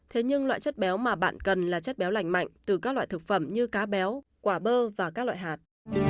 thế nhưng loại chất béo mà bạn cần là chất béo lành mạnh từ các loại thực phẩm như cá béo quả bơ và các loại hạt